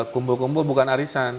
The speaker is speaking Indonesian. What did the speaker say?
kumbul kumbul bukan arisan